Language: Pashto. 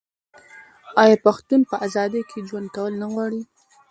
آیا پښتون په ازادۍ کې ژوند کول نه غواړي؟